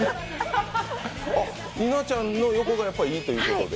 稲ちゃんの横がやっぱりいいということで。